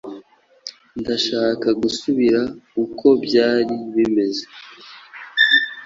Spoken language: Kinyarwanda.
Ndashaka gusubira uko byari bimeze.